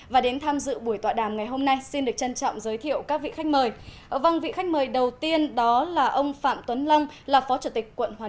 và đến tham dự buổi tọa đàm ngày hôm nay xin được trân trọng giới thiệu các vị khách mời